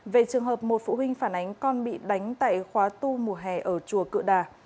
về trường hợp một phụ huynh phản ánh con bị đánh tại khóa tu mùa hè ở chùa cựa đà